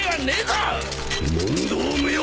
問答無用！